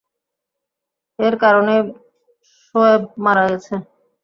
এর কারণেই শোয়েব মারা গেছে!